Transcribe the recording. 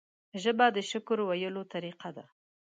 ژبه د شکر ویلو طریقه ده